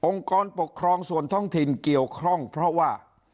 กรปกครองส่วนท้องถิ่นเกี่ยวข้องเพราะว่า